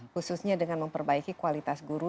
khususnya dengan memperbaiki kualitas guru